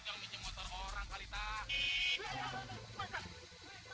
bawah nemen atau tabrak orang pembarangan aja